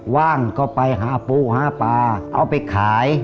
ว่างก็ไปหาปูหาปลาเอาไปขาย